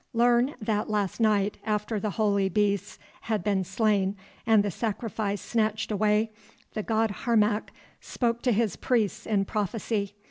"'Learn that last night after the holy beasts had been slain and the sacrifice snatched away, the god Harmac spoke to his priests in prophecy.